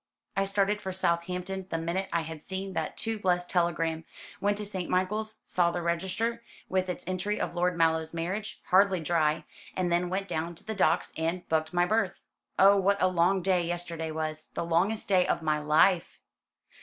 I started for Southampton the minute I had seen that too blessed telegram; went to St. Michael's, saw the register with its entry of Lord Mallow's marriage, hardly dry; and then went down to the docks and booked my berth. Oh, what a long day yesterday was the longest day of my life!"